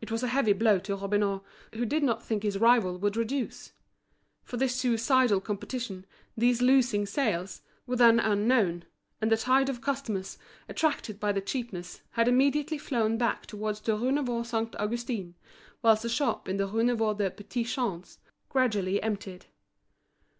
It was a heavy blow to Robineau, who did not think his rival would reduce; for this suicidal competition, these losing sales, were then unknown; and the tide of customers, attracted by the cheapness, had immediately flown back towards the Rue Neuve Saint Augustin, whilst the shop in the Rue Neuve des Petits Champs gradually emptied.